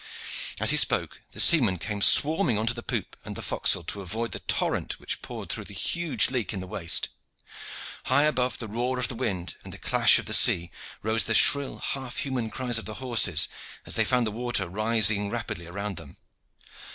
As he spoke the seamen came swarming on to the poop and the forecastle to avoid the torrent which poured through the huge leak into the waist. High above the roar of the wind and the clash of the sea rose the shrill half human cries of the horses, as they found the water rising rapidly around them.